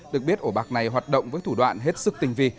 được biết ổ bạc này hoạt động với thủ đoạn hết sức tinh vi